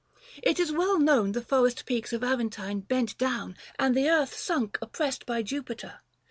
— It is well known 350 The forest peaks of Aventine bent down And the earth sunk oppressed by Jupiter.